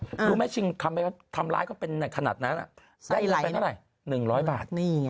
รู้ไหมชิงคำไปทำร้ายเขาเป็นขนาดนั้นได้เงินไปเท่าไหร่๑๐๐บาท